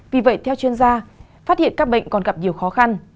vì vậy theo chuyên gia phát hiện các bệnh còn gặp nhiều khó khăn